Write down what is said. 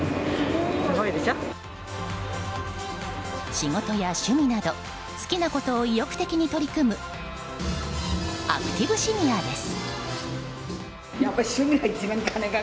仕事や趣味など好きなことを意欲的に取り組むアクティブシニアです。